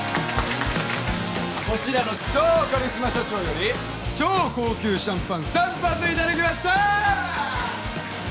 こちらの超カリスマ社長より超高級シャンパン３発いただきました！